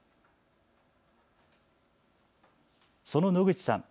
その野口さん。